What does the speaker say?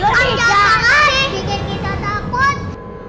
tersebut jadi itulah alasan saya kenapa kenapa jahat banget sih